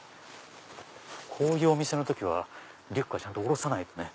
こういうお店の時はリュックは下ろさないとね。